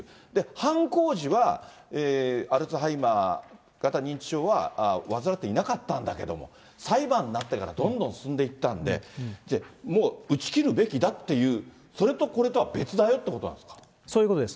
犯行時はアルツハイマー型認知症は患っていなかったんだけれども、裁判になってからどんどん進んでいったんで、もう打ち切るべきだっていう、それとこれとは別だよってことなんそういうことです。